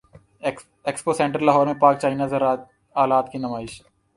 expo centre Lahore میں Pak China زرعی الات کی نمائش